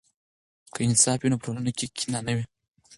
که انصاف وي نو په ټولنه کې کینه نه وي.